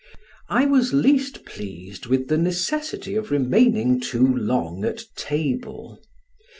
I was least pleased with the necessity of remaining too long at table.